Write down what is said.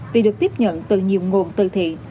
vì được tiếp nhận từ nhiều nguồn từ thiện